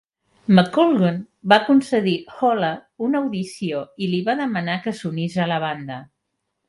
McColgan va concedir Hollar una audició i li va demanar que s'unís a la banda.